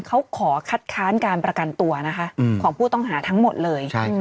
เขาขอคัดค้านการประกันตัวนะคะของผู้ต้องหาทั้งหมดเลย